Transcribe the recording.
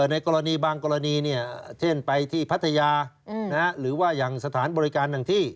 ในกรณีบางกรณีเช่นไปที่พัทยาหรือว่าอย่างสถานบริการต่างที่